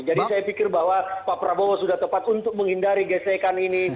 jadi saya pikir bahwa pak prabowo sudah tepat untuk menghindari gesekan ini